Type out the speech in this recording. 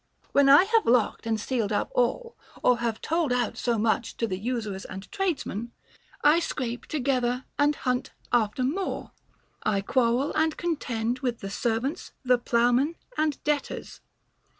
When I have locked and sealed up all, or have told out so much to the usurers and trades men, I scrape together and hunt after more ; I quarrel 298 OF THE LOVE OF WEALTH. and contend with the servants, the ploughmen and debt ors.